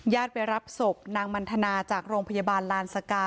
ไปรับศพนางมันทนาจากโรงพยาบาลลานสกา